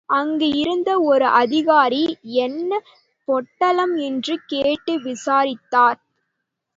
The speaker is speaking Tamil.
அங்கு இருந்த ஒரு அதிகாரி, என்ன பொட்டலம் என்று கேட்டு விசாரித்தார்.